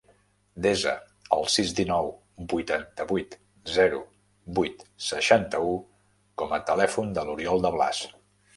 Desa el sis, dinou, vuitanta-vuit, zero, vuit, seixanta-u com a telèfon de l'Oriol De Blas.